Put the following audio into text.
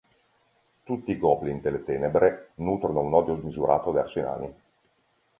Tutti i Goblin delle tenebre nutrono un odio smisurato verso i nani.